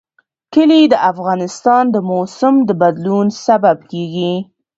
کلي د افغانستان د موسم د بدلون سبب کېږي.